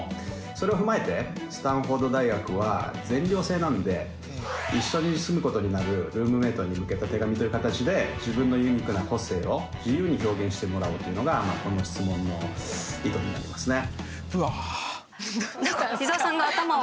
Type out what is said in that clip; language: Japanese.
それを踏まえてスタンフォード大学は全寮制なんで一緒に住むことになるルームメイトに向けた手紙という形で自分のユニークな個性を自由に表現してもらおうというのがこの質問の意図になりますね。